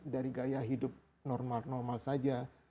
dari gaya hidup normal normal saja